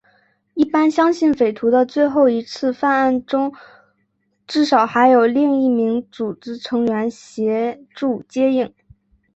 一般相信匪徒的最后一次犯案中至少还有另一名组织成员协助接应。